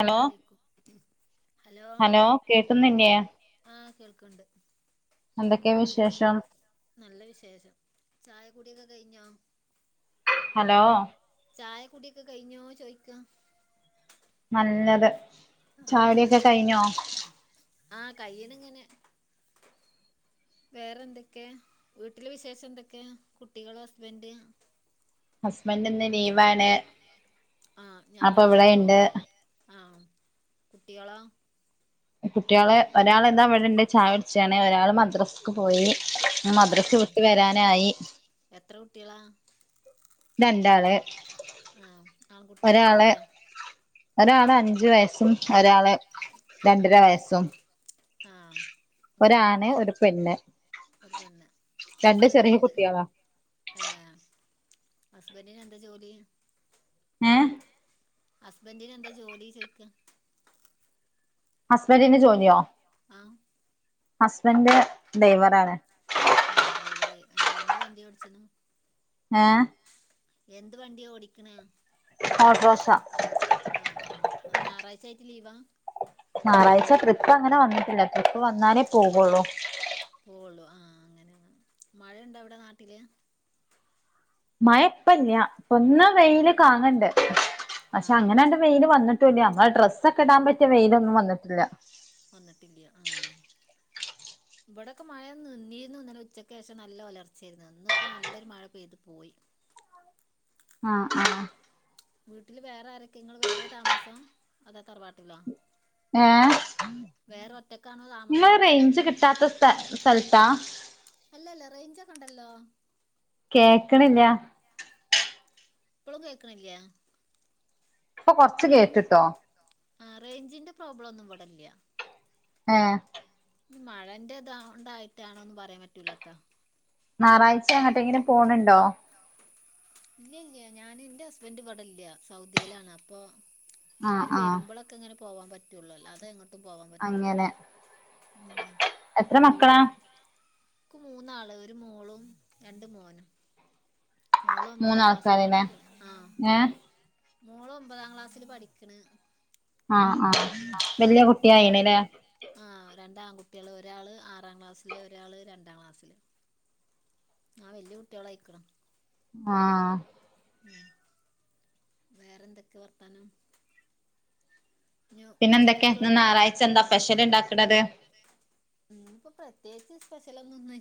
Hello hello ആഹ് കേൾക്ണ്ട് എന്തൊക്കെയ വിശേഷം നല്ല വിശേഷം ചായക്കുടിയക്കെ കയിഞ്ഞോ ഹലോ ചായക്കൂടിയൊക്കെ കഴിഞ്ഞോ ചോയിക്ക നല്ലത് ആഹ് ചായുടിയൊക്കെ കഴിഞ്ഞോ അഹ് കയ്നിങ്ങനെ വേറെന്തൊക്കെ വീട്ടില് വിശേഷം എന്തൊക്കെയാ കുട്ടികള് ഹസ്ബന്ഡ് ഹസ്ബന്റിന്ന് ലീവാണ് ആഹ് അപ്പൊ ഞാറാഴ്ച ഇവിടെണ്ട് ആയതുകൊണ്ടല്ലേ ആഹ് കുട്ടികളോ കുട്ടികള് ഒരാൾ എന്താ അവിടെണ്ട് ചായുടിച്ചണെ ഒരാള് മദ്രസ് പോയി ആ മദ്രസ് ആ വിട്ട് വരാനായി എത്ര കുട്ടികളാ രണ്ടാള് ആഹ് ആൺകുട്യോ ഒരാള് പെൺകുട്യൊ ഒരാള് അഞ്ചു വയസ്സും ഒരാള് രണ്ടര വയസ്സും ആഹ് ഒരാണ് ഒരു പെണ്ണ് ഒരുപെണ്ണ് രണ്ട് ഹസ്ബൻറിന് ചെറിയ എന്ത് കുട്ടികളാ ഏ ഹസ്ബൻഡന് എന്താ ജോലി ഏ ഹസ്ബൻറിന് എന്താ ജോലി ചോയ്ക്കുക ഹസ്ബൻഡിൻ്റെ ജോലിയോ ആഹ് ഹസ്ബൻഡ് ഡൈവറാണ് ആ ഡ്രൈവറ് ആഎന്ത് വണ്ടി ഓടിച്ച്ണത് ഏ എന്ത് വണ്ടിയാ ഓടിക്കണ ഓട്ടോർസ ആഹ് ആഹ് ആ ഞായറാഴ്ച ആായിട്ട് ലീവാ ഞായറാഴ്ച ട്രിപ്പ് അങ്ങനെ വന്നിട്ടില്ല ട്രിപ്പ് വന്നാലേ പോവുള്ളൂ പോള്ളു ആഹ അങ്ങനെയ മഴയുണ്ടവിടെ നാട്ടില് മയപ്പല്ല ഇപ്പൊ ഒന്ന് വെയില് കാണണ് ണ്ട് പക്ഷെ ആഹ് അങ്ങനെണ്ട് വെയില് വന്നിട്ട് പ ഞമ്മളെ ഡ്രസ്സ ഒക്കെ ഇടാൻ പറ്റിയ വെയിലൊന്നും വന്നിട്ടില്ല വന്നിട്ടില്ല ആ ഇവിടെയൊക്കെ മഴ നന്നിന്ന്ന്നലെ ഉച്ചയ്ക്ക് ശേഷം നല്ല ഉലർച്ചയായിരുന്നു ഇന്നിപ്പോ നല്ലൊരു മഴ പെയ്തു പോയി ആഹ് ആ വീട്ടിൽ വേറെ ആരൊക്കെ നിങ്ങൾ വേറെ താമസം അതോതറവാട്ടിലോ ഏ ഒറ്റക്കാണോ ങ്ങൾ താമസം റേഞ്ച് കിട്ടാത്ത സ്ഥ സ്ഥലത്താ അല്ലല്ലറേയ്ഞ്ചൊക്കെ ണ്ടല്ലോ കേക്കണില്ല പ്പോളും കേൾക്കണില്ലേ ഇപ്പൊ കൊറച്ച് കേട്ടിട്ടോ റേഞ്ച് ആ റേഞ്ചിന്റെ പ്രോബ്ലം ഒന്നും ഇവിടല്ല ഏ മഴന്റെ ഇതാണ്ടായിട്ടാണോന്ന് പറയാൻ പറ്റൂലട്ടോ ഞായറഴ്ച ങ്ങട്ടെങ്കിലും പോണുണ്ടോ ഇല്ല ഇല്ല ഞാൻ എന്റെ ഹസ്ബൻഡ് ഇവിടില്ല സൗദിയിലാണ് അപ്പൊ ആഹ് അവര് ആഹ് വരുമ്പോളൊക്കെ ക്കെങ്ങനെ പോവാൻ പറ്റുള്ളൂ അല്ലാതെങ്ങോട്ടും പോവാൻ പറ്റൂല അങ്ങനെ ഉ എത്ര പിന്നെ വീട്ട മക്കളാ മൂന്നാള് ഒരു മോളും രണ്ട് മോനും മോള് ഒമ്പതാം ക്ലാസ്സില് മൂന്നാൾക്കാരല്ലേ പഠിക്കണ് ആ ഏ മോള് ഒമ്പതാം ക്ലാസ്സില് പഠിക്കണ് ആഹ് ആഹ് വല്യ പിന്നെതാ കുട്ടിയായിണല്ലേ ആ രണ്ട്ആൺകുട്ടികള് ഒരാള് ആറാം ക്ലാസ്സില് ഒരാള് രണ്ടാം ക്ലാസ്സില് ആ വല്യ കുട്ടികളയക്ണ് ആഹ ഉ വേറെ എന്തൊക്കെ വർത്തനം പിന്നെ ഉച്ചക്കൊക്കുള്ള എന്തൊക്കെന്ന് ഞായറാഴ്ച എന്താ സ്പെഷൽ ഉണ്ടാക്കണ്ടത് ഇന്ന് പ്പോ പ്രത്യേകിച്ച് സ്പെഷ്യൽ ഒന്നുംല്ല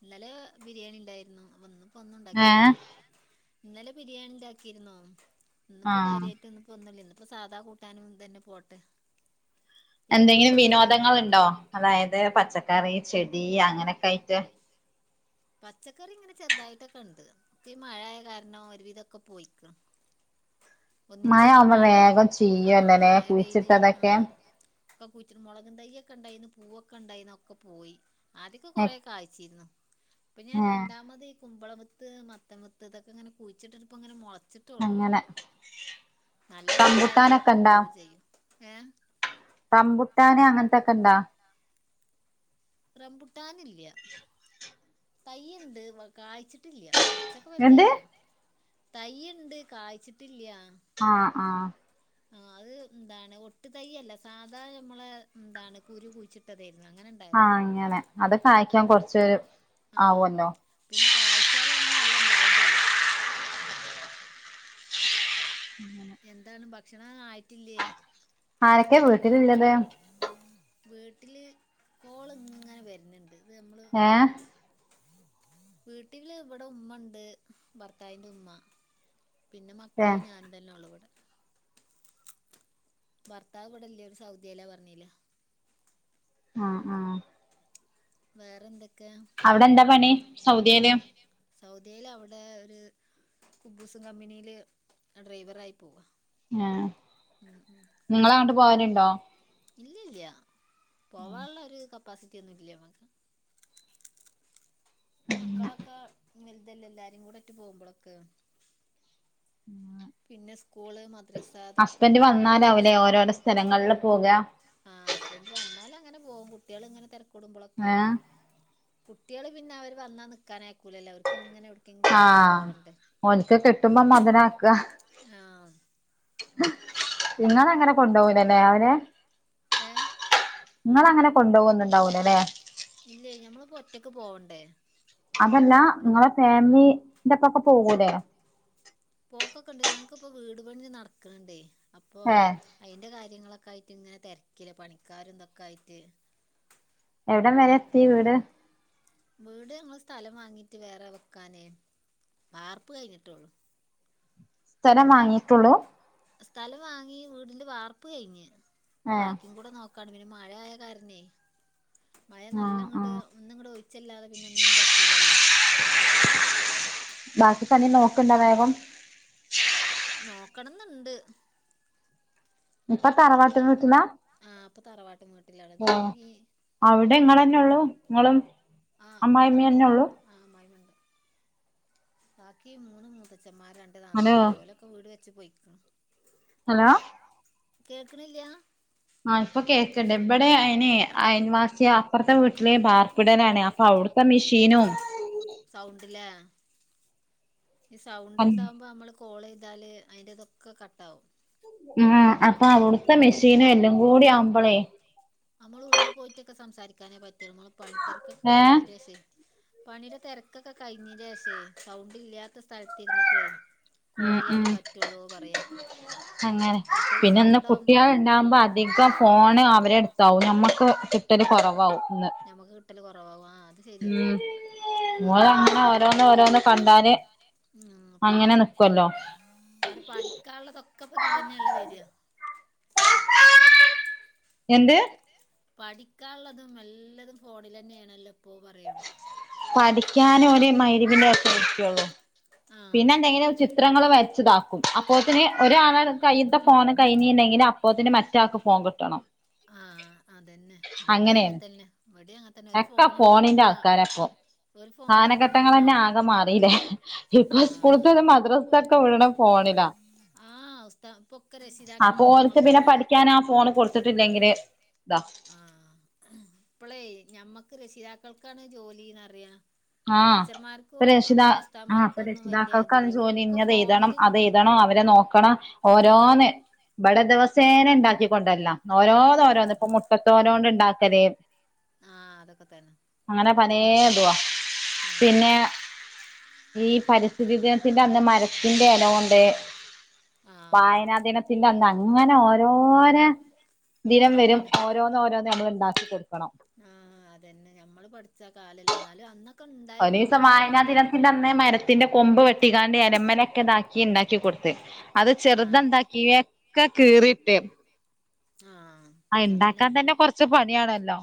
ഇന്നലെ ബിരിയാണി ഉണ്ടായിരുന്നു വന്നും ന്ന് ഒന്നും ഏഹ് ഉണ്ടാക്കിട്ടില്ല ഇന്നലെ ബിരിയാണി ഉണ്ടാക്കിയിരുന്നോ ഇന്നിപ്പോ ആഹ് കാര്യമായിട്ട് ഒന്നും ഇ ഒന്നുല്ല ഇന്നിപ്പൊ സാധാ കൂട്ടാനും തന്നെ പോട്ടെ എന്നുപ്പോ എന്തെങ്കിലും ഇതന്നെല്ലേ വിനോദങ്ങൾ ഉണ്ടോ അതായത് പച്ചക്കറി ചെടി അങ്ങനെയൊക്കെ ആയിട്ട് പച്ചക്കറി ഇങ്ങനെ ചെറുതായിട്ടൊക്കെ ണ്ട് പ്പം ഈ മഴയ കാരണോം ഒരുവിധൊക്കെ പോയിക്ക്ണ് ഒന്നിച്ച് ഇങ്ങടെ ആവുമ്പോ മഴ പെയ വേഗം ആഹ ചീയ്യുവല്ലല്ലേ മഴ പെയ്ത് ആ കുഴിച്ചിട്ടതൊക്കെ ഇപ്പൊ കൂറ്റിന് മുളകും തൈയ ഒക്കെ ഉണ്ടായിന്ന് പൂവൊക്കെ ഉണ്ടായിന്നൊക്കെ പോയി ആദ്യൊക്കെ കൊറേകായ്ച്ചിരുന്നു ഇപ്പൊ ഞാൻ ഏഹ് രണ്ടാമത് കുമ്പളവിത്ത് മത്തൻ വിത്ത് ഇതൊക്കെ ഇങ്ങനെ കുഴിച്ചിട്ട ഇപ്പങ്ങെ മുളച്ചി അങ്ങനെ നല്ല മഴ റംബുട്ടാനൊക്കെ ആയാലൊക്കെ പോവുക യുംചെയ്യും ഏഹ റമ്പുട്ടാന് അങ്ങൻത്തൊക്കെ ഇണ്ടാ റംപുട്ടാനില്ല തയ്യുണ്ട് കായ്ച്ചിട്ടില്ല കുറച്ചൊക്കെ എന്ത് വലുതായിക്ക്ണ് തൈയ്യ്ണ്ട് കായ്ച്ചിട്ടില്ല ആഹ് ആഹ് [inaudible] ആഹ് അത് എന്താണ് ഒട്ട് തയ്യല്ല സാധാരണ നമ്മളെ എന്താണ് കുരു കുഴിച്ചിട്ടതായിരുന്നു അങ്ങനെ ഉണ്ടായതാ ആഹ് അങ്ങനെ അത് കായ്ക്കാൻ കൊറച്ച് ആഹ് ആവല്ലോ പിന്നെ കാഴ്ചാലാണെങ്കി നല്ലോം ഇണ്ടാവും ചെയ്യും എന്താണ് ഭക്ഷണം ആയിട്ടില്ലേ ആരൊക്കെ വീട്ടിലിള്ളത് വീട്ടില് കോള് ഇങ്ങനെ വരുന്നുണ്ട് ഇത് നമ്മള് ഏഹ് വീട്ടില് ഇവിടെ ഉമ്മ ഉണ്ട് ഭർത്താവിന്റെ ഉമ്മ പിന്നെ ഏഹ് മക്കളും ഞാൻ തന്നെ ഉള്ളൂ ഇവിടെ ഭർത്താവ്വിടല്ലേ ഓര് സൗദി അല്ലാ പറഞ്ഞീല്ല ആഹ് ആഹ് വേറെന്തൊക്കാ അവിടെ എന്താ പണി അവിടെന്താപണി സൗദിയില് സൗദീല് സൗദിൽ അവിടെ ഒരു കുബ്ബൂസും കമ്പനിയില് ഡ്രൈവറായി പോവാ ആഹ് [inaudible] നിങ്ങളങ്ങോട്ട് പോവല്ണ്ടോ ഇല്ലല്ല പോവാനുള്ള ഒരു കപ്പാസിറ്റി ഒന്നും ഇല്ല നമ്മക്ക് മക്കളൊക്കെ വല്തല്ലേ എല്ലാരും കൂടെ ഒട്ടു പോകുമ്പോളൊക്കെ [inaudible] പിന്നെ സ്കൂള് മദ്രസ അതൊക്കെ മുടങ്ങും അങ്ങനെയൊക്കെ സ്ഥലങ്ങളിൽ പോക ആഹ് ഹസ്ബൻഡറ് വന്നാൽ അങ്ങനെ പോകും കുട്ടികൾ ഇങ്ങനെ തിരക്കൊടുമ്പോളൊക്കെ ഏഹ് കുട്ടികള് പിന്നെ അവര് വന്നാ നിൽക്കാന ആക്കൂലല്ലോ അവർക്ക് ഇങ്ങനെ എവടെ ആഹ് ഓൽക്ക് കിട്ടുമ്പോ മൊതലാക്ക ആഹ് നിങ്ങൾ അങ്ങനെ കൊണ്ടൊവുലല്ലേ അവരെ ഏഹ് നിങ്ങളെങ്ങനെ കൊണ്ടൊവോന്നും ണ്ടാകൂലലെ ഇല്ലെയ് നമ്മളിപ്പോ ഒറ്റക്ക് പോവണ്ടേ അതല്ല നിങ്ങളെ ഫാമിലിന്റെപ്പൊക്കെ പോകൂലേ പോക്കൊക്കെ ഉണ്ട് ഞങ്ങക്കിപ്പോ വീട് പണി നടക്ക്ണണ്ടേയ് അപ്പോ ഏഹ് എഹ് അതിന്റെ കാര്യങ്ങളൊക്കെ ആയിട്ട് ഇങ്ങനെ തിരക്കില്ല പണിക്കാര എന്തൊക്കെ ആയിട്ട് എവിടം വരെ എത്തി വീട് വീട് നമ്മൾ സ്ഥലം വാങ്ങീട്ട് വേറെ വെക്കാനേ വാർപ്പ് കഴിഞ്ഞിട്ടുള്ളൂ സ്ഥലം വാങ്ങിട്ടൊള് സ്ഥലം വാങ്ങി വീടിന്റെ വാർപ്പ് കഴിഞ്ഞ് ഏഹ് ബാക്കിയും കൂടെ നോക്ക കട്മി മഴായ കാരണേ മഴ ആഹ് നല്ലങ്ങട് ആഹ് ഒന്നങ്ങട് ഒഴിച്ചല്ലാതെ പിന്നെ ഒന്നിനും പറ്റൂലല്ലോ ബാക്കി തന്നെ നോക്കണ്ട വേഗം നോക്കണംന്നുണ്ട് ഇപ്പൊ തറവാട്ട് വീട്ടിലാ ആഹ് അപ്പൊ തറവാട്ടിവീട്ടിൽ ഏഹ് അതാണെങ്കി അവിടെ ഇങ്ങളെന്നെ ഉള്ളു നിങ്ങളും ആഹ് ഉമ്മണ്ട് അമ്മായിമ്മന്നെ ഉള്ളൂ ആഹ് അമ്മായിമ്മണ്ട് ബാക്കി മൂന്ന് മൂത്തച്ഛന്മാര് രണ്ട് ഹലോ നാത്തുമ്മാര് ഓലൊക്കെ വീട് വെച്ച് പൊയ്ക്ക്ണ് ഹലോ കേൾക്ക്ണില്ലാ ആ ഇപ്പൊ കേൾക്ക്ണ്ട് ഇപടെ അയ്ൻ അയൽവാസി അപ്പുറത്തെ വീട്ടിലെ ബാർപ്പിടലാണ് അപ്പൊ അവ്ട [unintelligible] മിഷീനും സൗണ്ട്ല്ല ഈ സൗണ്ട് ഉണ്ടാവുമ്പോൾ നമ്മള് കോൾ ചെയ്താല് അതിന്റെ ഇതൊക്കെ കട്ട ആവും. ഉം അപ്പൊ അവിടുത്തെ മെഷീനും എല്ലാം കൂടി ആവുമ്പോളേ നമ്മൾ ഉള്ളിൽ പോയിട്ടൊക്കെ സംസാരിക്കാനേ പറ്റുള്ളൂ നമ്മള് പണിത്തെരക്കൊക്കെ ഏഹ് കഴിഞ്ഞൻ്റ ശേഷ പണിയുടെ തിരക്കൊക്കെ കഴിഞ്ഞിൻ്റെശേ സൗണ്ട് ഇല്ല്യത്ത സ്ഥലത്തി ഇരുന്നിട്ടേ കോൾ ഉം ഉം ചെയ്യാനേ പറ്റുള്ളൂ പറയാ അങ്ങനെ മറ്റേത് പിന്നെ ഇന്ന് സൗണ്ട് ആകുമ്പോ കുട്ടികൾ ഉണ്ടാവുമ്പോ അധികം ഫോണ് അവരട്താവും നമ്മക്ക് കിട്ടല് കുറവാവും ഇന്ന് ഞമ്മക്ക് കിട്ടല് കുറവാവും ആ അത് ശരിയാ ഉം ഓർക്കേ ഓളങ്ങനെ ഓരോന്ന് ഓരോന്ന് പറഞ്ഞ ഉം പിന്നെ കുട്ട് നിക്കുവല്ലോ അവര് പഠിക്കാനുള്ളതൊക്കെപ്പതിൽ ന്നെയല്ല വര എന്ത് പഠിക്കാനുള്ളതും എല്ലതും ഫോണിൽ തന്നെയാണല്ലോ ഇപ്പോ പറയാ പഠിക്കാൻ ഓൻ മൈരിബിന്റെ നേരത്തെ ഇരിക്കെള്ളൂ. ആ പിന്നെ എന്തെങ്കിലും ചിത്രങ്ങൾ വെരച്ച്താക്ക അപ്പോത്തിന് ഒരാള കൈത്ത ഫോൺ കഴിഞ്ഞിണ്ടങ്കിൽ അപ്പോത്തിന് മറ്റാൾക്ക് ഫോൺ കിട്ടണം ആഹ അതന്നെ ഇവടിം അങ്ങനെയാണ് അങ്ങത്തന്നെ ഇവടിം അങ്ങത്തന്നെ ഒരു ഒക്കെ ഫോണുണ്ട് മൂന്ന് കാനഘട്ടങ്ങൾന്നെ ആകെ മാറില്ലേ? ഇപ്പ ആഹ് സ്കൂളത്ത് മദ്രാസ്ത്തക്ക വിട്ണ ഫോണില ആഹ് ഉസ്താ ഇപ്പൊക്കെ അപ്പോ രക്ഷിതാക്കൾക്ക് ഓൽക്ക് ഞമ്മക്കാ പിന്നെ പണി പഠിക്കാൻ ആ ഫോണ് കൊടുത്ത ടുത്തിട്ടില്ലെങ്കിൽ ഇതാ ആഹ ഇപ്പളേ ഞമ്മക്ക് രക്ഷിതാക്കൾക്കാണ് ജോലിന്നറിയാം ആഹ അപ്പ രക്ഷിത ആ ഉസ്താമാർക്കും ആപ്പൊ ഒന്നും വലിയ രക്ഷിതാക്കൾക്കാണ് ഇതില്ല ജോലി ഇ ഓലൊക്കെ ഞ്ഞത് ഫോണിൽ എഴുതണം ഇങ്ങട് അതെഴുതണം അവരെ നോക്ക ആക്കണ ആഹ് ഓരോന്ന് ഇവിടെ ദിവസേനെ ഉണ്ടാക്കിക്കൊണ്ടര്‌ല ഓരോ ഓരോന്ന് ആഹ് ഇപ്പൊ മുട്ടത്തോലോണ്ട് ഉണ്ടാക്കൽ ആഹ അതൊക്കെ തന്നെ ഞമ്മക്ക് ഇതുവാ ആഹ് പിന്നെ ഈ പരിസ്ഥിതി ദിനത്തിന്റെ അന്ന് മര ത്തിന്റെ എല കൊണ്ട് ആഹ് വായനാ ദിന ന്ന് അങ്ങനെ ഓരോര ദിനം വരും അതന്നെ ഓരോന്ന്, ഓരോന്ന്, നമ്മൾ ഉണ്ടാക്കി കൊടുക്കണം. ആഹ അതന്നെ ഞമ്മള് പഠിച്ച കാലല്ല എന്നാലും അന്നൊക്കെ ഉണ്ടായിരുന്നു ഒരീസം ഇങ്ങനെ വായനാ ഒരിത്ണ്ടായിട്ടില്ല. ദിനത്തിന്റെ മരത്തിന്റെ കൊമ്പ് വെട്ടിക്കാണ്ട് എലമലൊക്കെ ഇതാക്കി ഉണ്ടാക്കി കൊടുത്ത് അത് ആഹ് ചെറുതണ്ടാക്കി [unintelligible] കീറിട്ട് ആഹ ആ ഇണ്ടാക്കാൻ തന്നെ കൊറച്ച് പണിയാണല്ലോ.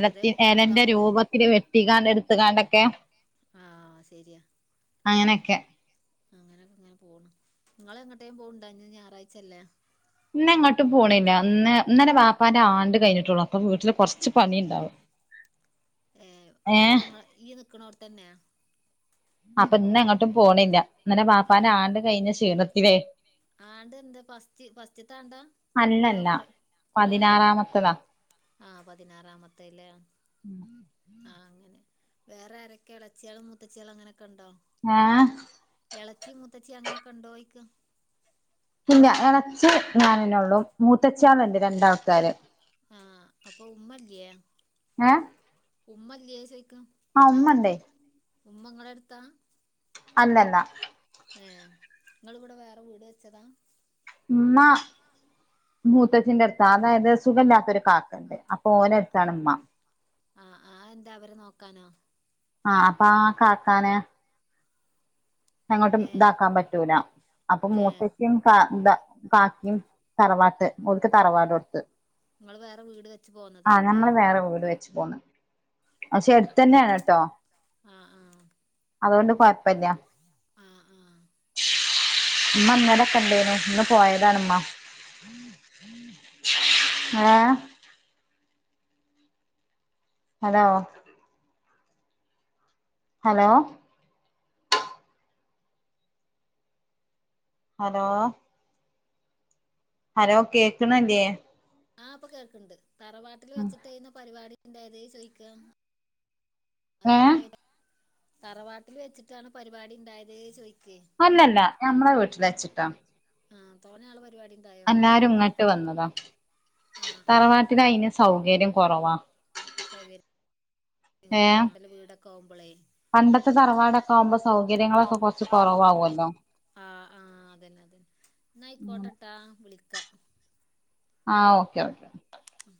ചെറിയ ഇലന്റെ കുട്ടികളുണ്ടാവുമ്പോളേ രൂപത്തിൽ വെട്ടികാണ്ട് എടുത്തുകാണ്ടൊക്കെ ആഹ് അങ്ങനെക്കെ അങ്ങനെങ്ങനെ പോണ് ഇങ്ങൾ എങ്ങട്ടേങ്കിപോക്ണ്ടോ? ഇന്ന് ഞായറാഴ്ചല്ലേ? ഇന്ന് ഇങ്ങോട്ടും പോണില്ല ഇന്ന് ഇന്നല വാപ്പാന്റെ ആണ്ട് കഴിഞ്ഞിട്ടുള്ളു അപ്പൊ വീട്ടില് കുറച്ച് ഇച്ച് പണിണ്ടാവും ഏ ഇവടെ ങ്ങ ഇയ്യ് നിക്ക്ണോട്ത്തന്നെ അപ്പൊ ഇന്ന് എങ്ങോട്ടും പോണില്ല ഇന്നലെ ആഹ് വാപ്പാൻ്റെ ആണ്ട് കഴിഞ്ഞ ക്ഷീണത്തില്ലേ ആണ്ട് എന്താ പസ്റ്റ് പസ്റ്റ്ത്താണ്ടാ? അതോ അല്ലല്ല കൊറ കൊറെ ആയോ? പതിനാറാമത്തതാ ആഹ പതിനാറാമത്തല്ലേ ഉം ആ അങ്ങനെ വേറെ ആരൊക്കെ എളച്ചിളും മൂത്തച്ചിളും അങ്ങനെയൊക്കെ ഉണ്ടോ? ആഹ എളച്ചി മുത്തച്ചി അങ്ങനൊക്കെ കൊണ്ടേയിക്കും ഇല്ല എളച്ചി ഞാനനൊള്ളും മൂത്തച്ഛാണ് എന്റെ രണ്ടാൾക്കാര് ആഹ് അപ്പൊ ഉമ്മല്ലയേ ഏ ഉമ്മല്ലേ ചോയ്ക്ക ആ ഉമ്മണ്ടേ ഉമ്മങ്ങളടുത്താ അല്ലല്ല ഏ് നിങ്ങളിവിടെ വേറെ വീട് വെച്ചതാ ഉമ്മ മൂത്തച്ചിന്റെ അടുത്താ അതായത് സുഖല്ലാത്തൊരു കാക്കുണ്ട് അ ഓലെടുത്താണുമ്മ ആഹ് ആ അഎന്താ അവരെ നോക്കാനോ ആഹ് അപ്പ ആ കാക്കാനെ അങ്ങോട്ടും ഏ ഇതാക്കാൻ പറ്റൂല അപ്പൊ ഏ മൂത്തച്ചിയും [unintelligible] കാക്കിയും തറവാട്ട് ഒർക്ക് തറവാട് കൊടുത്ത് നിങ്ങള് വേറെ വീട് വെച്ചു പോന്നതാവൂല്ലേ വെറെ വീട് വെച്ച് പോന്ന് പക്ഷെ എടുത്തന്നെയാണ് ട്ടോ ആഹ് ആഹ് അതുകൊണ്ട് കൊഴപ്പില്ല ആ ആ അമ്മ ഇന്നേട കണ്ടേനു ഇന്ന് പോയതാണമ്മ ഏ ഹലോ ഹലോ ഹലോ ഹലോ കേൾക്കണില്ലേ ആഹ അപ്പൊ കേൾക്കുണ്ട് തറവാട്ടിൽ വച്ചിട്ടിരുന്നൊ പരിപാടി ഉണ്ടായത് ചോയിക്കാം അതാ ഏഹ് [inaudible] തറവാട്ടിൽ വെച്ചിട്ടാണോ പരിപാടി ഉണ്ടായത് ചോയ്ക് അല്ലല്ല ഞമ്മളെ വീട്ടിൽ വെച്ചിട്ടാ ആഹ തോന്നെയാള് പരിപാടി ഉണ്ടായോ എല്ലാരും ഇങ്ങോട്ട് വന്നതാ ആ ആ തറവാട്ടില് അതിന് സൗകര്യം കൊറവാ സൗകര്യം കുറവാ ഏഹ് അല്ല വീടൊക്കെ ആവുമ്പോളേ പണ്ടത്തെ തറവാടൊക്കെ ആകുമ്പോ സൗകര്യങ്ങളൊക്കെ കുറച്ച് കുറവവുമല്ലോ ആഹ് ആഹ് അതന്നെ അതന്നെ എന്നായിക്കോട്ടെട്ടാ വിളിക്കാ ആ ഓക്കെ ഓക്കെ ഓക്കേ